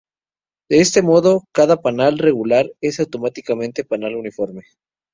De este modo, cada panal regular es automáticamente panal uniforme.